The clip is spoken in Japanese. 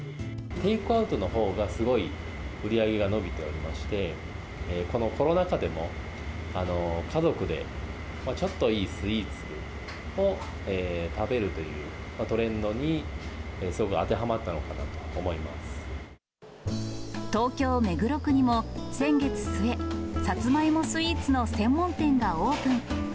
テイクアウトのほうが、すごい売り上げが伸びておりまして、このコロナ禍でも、家族でちょっといいスイーツを食べるというトレンドにすごく当て東京・目黒区にも先月末、サツマイモスイーツの専門店がオープン。